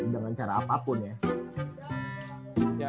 dengan cara apapun ya